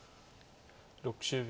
６０秒。